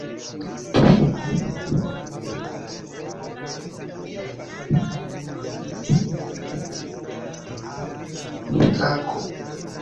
Ili loĝis en vagono en la stacidomo sur flanka fervoja trako.